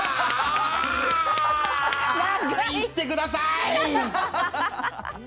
いってください！